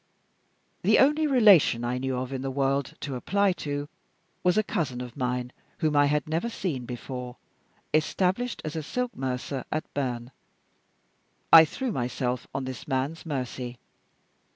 The only relation I knew of in the world to apply to was a cousin of mine (whom I had never seen before), established as a silk mercer at Berne. I threw myself on this man's mercy.